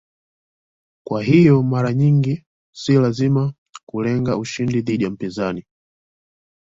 Kwa hiyo mara nyingi si lazima kulenga ushindi dhidi ya mpinzani.